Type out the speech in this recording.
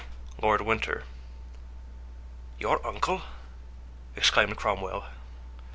"Lord Winter." "Your uncle?" exclaimed Cromwell.